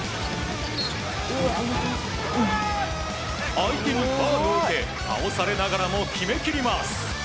相手のファウルを受け倒されながらも決め切ります。